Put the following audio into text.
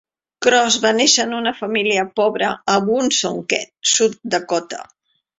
Cross va néixer en una família pobre a Woonsocket, South Dakota.